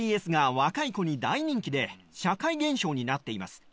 若い子に大人気で社会現象になっています。